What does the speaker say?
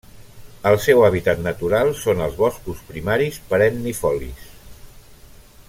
El seu hàbitat natural són els boscos primaris perennifolis.